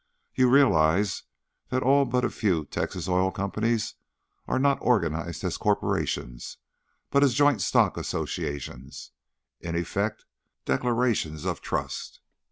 You realize that all but a few Texas oil companies are not organized as corporations, but as joint stock associations in effect declarations of trust."